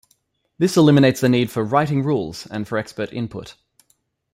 This eliminates the need for writing rules and for expert input.